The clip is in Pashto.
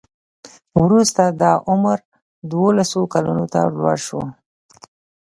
وروسته دا عمر دولسو کلونو ته لوړ شو.